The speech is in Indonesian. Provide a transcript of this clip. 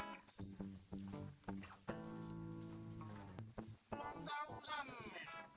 belum tau kan